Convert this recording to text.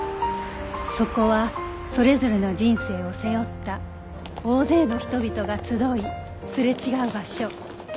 そこはそれぞれの人生を背負った大勢の人々が集いすれ違う場所